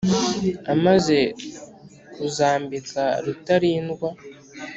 amaze kuzambika rutarindwa